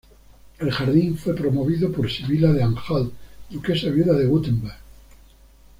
El jardín fue promovido por Sibila de Anhalt, duquesa viuda de Württemberg.